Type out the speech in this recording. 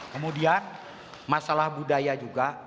kemudian masalah budaya juga